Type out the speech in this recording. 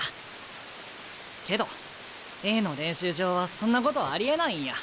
けどＡの練習場はそんなことありえないんや。